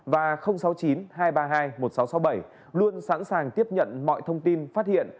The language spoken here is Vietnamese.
và sáu mươi chín hai trăm ba mươi hai một nghìn sáu trăm sáu mươi bảy luôn sẵn sàng tiếp nhận mọi thông tin phát hiện